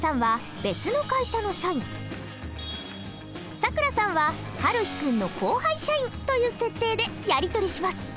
咲桜さんははるひ君の後輩社員という設定でやり取りします。